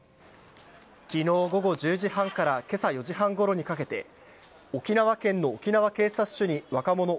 昨日午後１０時半から今朝４時半ごろにかけて沖縄県の沖縄警察署に若者